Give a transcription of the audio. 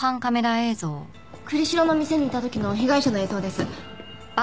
栗城の店にいた時の被害者の映像です。